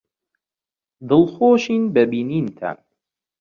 دڵخۆشین بە بینینتان.